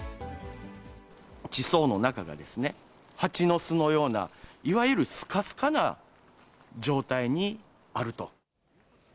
地層の中がですね、蜂の巣のような、いわゆるすかすかな状態にあると。